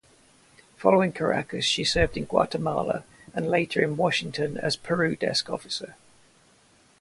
Following Caracas, she served in Guatemala and later in Washington as Peru Desk Officer.